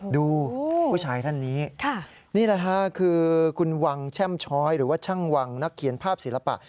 ดูผู้ชายท่านนี้นี่แหละค่ะคือคุณวังแช่มช้อยหรือว่าช่างวังนักเขียนภาพศิลปะ